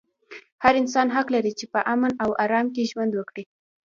هر انسان حق لري چې په امن او ارام کې ژوند وکړي.